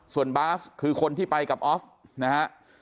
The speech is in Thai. ส่วนบาสคือคนที่ไปกับออฟนะฮะ